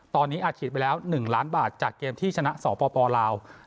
ตอนนี้อาจฉีดไปแล้ว๑ล้านบาทจากเกมที่ชนะสปลาว